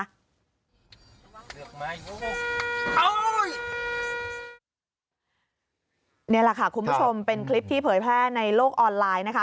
นี่แหละค่ะคุณผู้ชมเป็นคลิปที่เผยแพร่ในโลกออนไลน์นะคะ